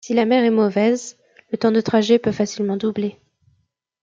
Si la mer est mauvaise, le temps de trajet peut facilement doubler.